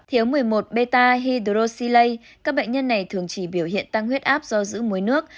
thiếu một mươi một beta hidroxylase các bệnh nhân này thường chỉ biểu hiện tăng huyết áp do giữ muối nước